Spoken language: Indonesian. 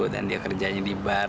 dan dia kerjanya di bar